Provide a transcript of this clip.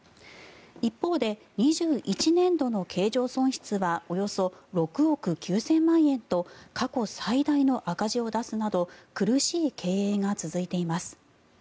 一方で２１年度の経常損失はおよそ６億９０００万円と過去最大の赤字を出すなど苦しい経営が続いています。